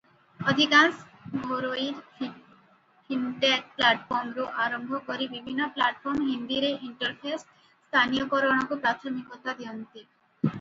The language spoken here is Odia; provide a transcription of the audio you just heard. ଅଧିକାଂଶ ଘରୋଇ ଫିନଟେକ ପ୍ଲାଟଫର୍ମରୁ ଆରମ୍ଭ କରି ବିଭିନ୍ନ ପ୍ଲାଟଫର୍ମ ହିନ୍ଦୀରେ ଇଣ୍ଟରଫେସ ସ୍ଥାନୀୟକରଣକୁ ପ୍ରାଥମିକତା ଦିଅନ୍ତି ।